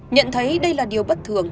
nhận thấy đây là điều bất kỳ